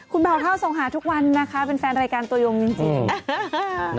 คุณเบาเท่าส่งหาทุกวันนะคะเป็นแฟนรายการตัวยงจริง